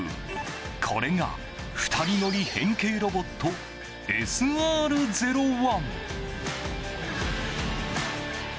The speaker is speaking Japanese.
これが２人乗り変形ロボットＳＲ‐０１。